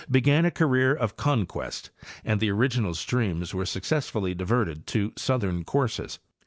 103 began a career of conquest and the original streams were succes sively diverted to southern courses.